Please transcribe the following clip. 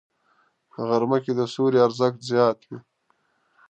په غرمه کې د سیوري ارزښت زیات وي